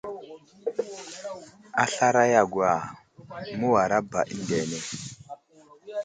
A slaray a gwa, məwara ba əndene.